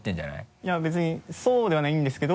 いや別にそうではないんですけど。